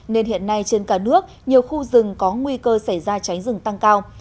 nên hiện nay trên cả nước nhiều khu rừng có nguy cơ xảy ra cháy rừng tăng cao